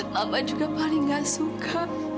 mama juga paling gak suka